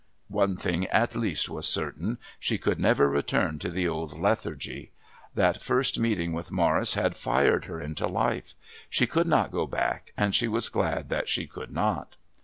One thing at least was certain. She could never return to the old lethargy. That first meeting with Morris had fired her into life. She could not go back and she was glad that she could not....